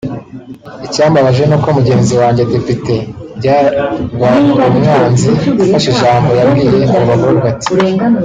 Icyambabaje ni uko mugenzi wanjye Depite Byabarumwanzi afashe ijambo yabwiye abo bagororwa ati